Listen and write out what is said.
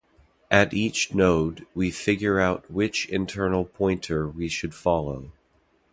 At each node, we figure out which internal pointer we should follow.